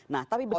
nah tapi begini